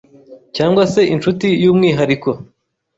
cyangwa se inshuti y’umwihariko.